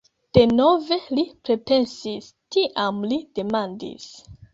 Denove li pripensis, tiam li demandis: